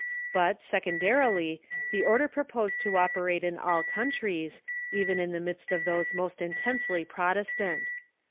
But, secondarily, the order pro 19 290 THE MODERN CHURCH posed to operate in all countries, even in the midst of those most intensely Protestant.